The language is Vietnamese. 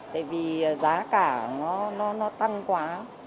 tại vì giá cả nó tăng quá